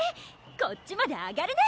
こっちまでアガるね！